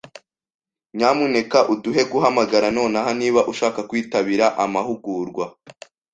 Nyamuneka uduhe guhamagara nonaha niba ushaka kwitabira amahugurwa!